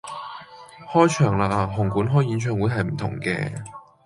開場啦，紅館開演唱會係唔同既！